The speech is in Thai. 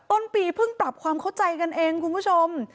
ต้นปีเพิ่งปรับความเข้าใจกันเองคุณผู้ชม